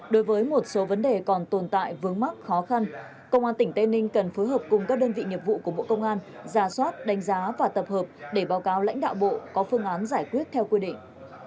đối với một số vấn đề còn tồn tại vướng mắc khó khăn công an tỉnh tây ninh cần phối hợp cùng các đơn vị nghiệp vụ của bộ công an ra soát đánh giá và tập hợp để báo cáo lãnh đạo bộ có phương án giải quyết theo quy định